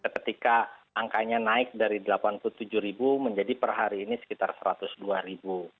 ketika angkanya naik dari delapan puluh tujuh ribu menjadi per hari ini sekitar satu ratus dua ribu